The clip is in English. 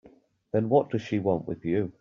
Then what does she want with you?